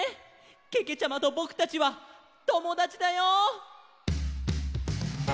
けけちゃまとぼくたちはともだちだよ！